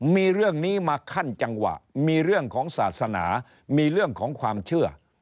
มีเรื่องนี้มาขั้นจังหวะมีเรื่องของศาสนามีเรื่องของความเชื่อ